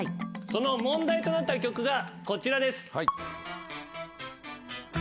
その問題となった曲がこちらです。